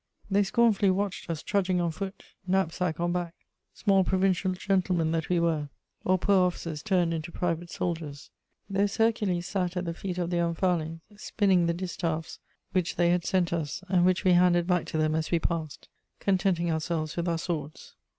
They scornfully watched us trudging on foot, knapsack on back, small provincial gentlemen that we were, or poor officers turned into private soldiers. Those Hercules sat at the feet of their Omphales spinning the distaffs which they had sent us and which we handed back to them as we passed, contenting ourselves with our swords.